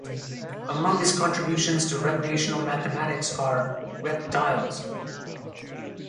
Among his contributions to recreational mathematics are "Rep-tiles".